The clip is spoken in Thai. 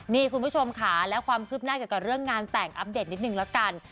นี่คุณผู้ชมค่ะแล้วความคืบหน้าเกี่ยวกับเรื่องงานแต่งอัปเดตนิดนึงละกัน